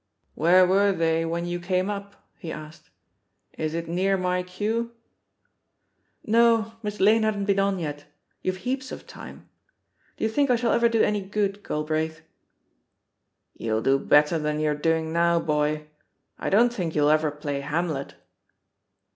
"Where were they when you came up?" he asked. "Is it near my cue?" "No, Miss Lane hadn't been on yet; youVe heaps of time. Do you think I shall ever do any good, Galbraith?" "You'll do better than you're doing now, boy. I don't think you'll ever play Hamlet."